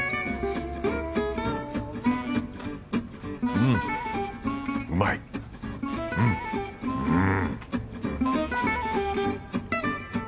うんうまいうんうん！